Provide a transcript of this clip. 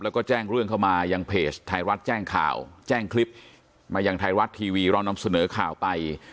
แล้วก็แจ้งเรื่องเข้ามายังเพจไทยรัฐแจ้งข่าวแจ้งคลิปมายังไทยรัฐทีวีเรานำเสนอข่าวไป